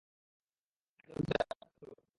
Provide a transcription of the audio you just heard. আগে দরজাটা খোল।